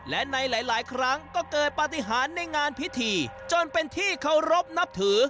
และในหลายครั้งก็เกิดปฏิหารในงานพิธีจนเป็นที่เคารพนับถือ